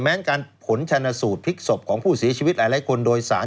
การผลชนสูตรพลิกศพของผู้เสียชีวิตหลายคนโดยสาร